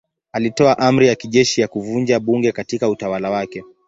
Alitoa amri ya kijeshi ya kuvunja bunge katika utawala wake.